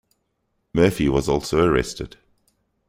Murphy was also arrested.